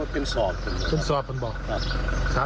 คิดว่าเป็นสอบขึ้นบ่ะ